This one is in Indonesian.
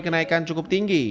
kenaikan cukup tinggi